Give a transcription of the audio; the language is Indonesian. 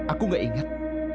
aku tidak ingat